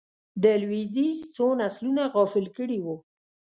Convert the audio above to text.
د لوېدیځ څو نسلونه غافل کړي وو.